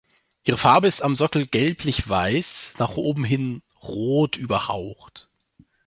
Ihre Farbe ist am Sockel gelblich-weiß, nach oben hin rot überhaucht.